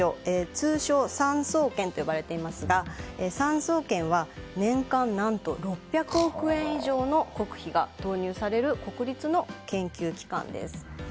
通称・産総研と呼ばれていますが産総研は年間６００億円以上の国費が投入される国立の研究機関です。